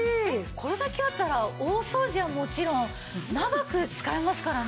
これだけあったら大掃除はもちろん長く使えますからね。